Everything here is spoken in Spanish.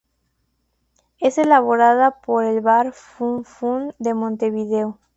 Es elaborada por el Bar Fun Fun de Montevideo.